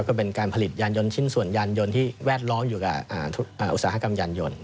ก็เป็นการผลิตยานยนต์ชิ้นส่วนยานยนต์ที่แวดล้อมอยู่กับอุตสาหกรรมยานยนต์